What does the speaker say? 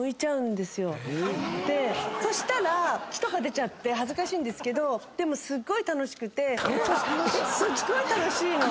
そしたら血とか出ちゃって恥ずかしいんですけどでもすっごい楽しくてすっごい楽しいの。